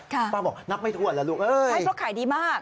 ค่ะป้าบอกนับไม่ถัวแล้วลูกไอไตเพราะขายดีมาก